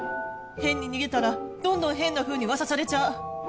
変に逃げたらどんどん変なふうにうわさされちゃう。